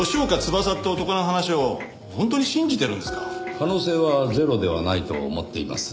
可能性はゼロではないと思っています。